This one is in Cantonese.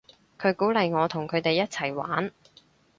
佢鼓勵我同佢哋一齊玩